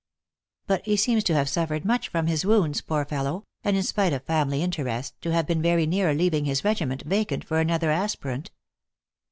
But he seems to have suffered much from his wounds, poor fellow, and in spite of family interest, to have been very near leaving his regiment vacant for another aspirant."